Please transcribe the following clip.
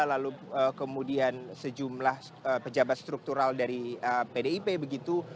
lalu kemudian sejumlah pejabat struktural dari pdip begitu